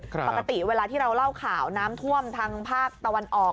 ปกติเวลาที่เราเล่าข่าวน้ำท่วมทางภาคตะวันออก